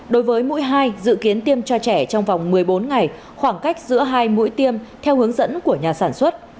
đối với mũi hai dự kiến tiêm cho trẻ trong vòng một mươi bốn ngày khoảng cách giữa hai mũi tiêm theo hướng dẫn của nhà sản xuất